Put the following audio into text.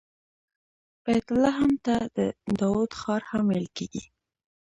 بیت لحم ته د داود ښار هم ویل کیږي.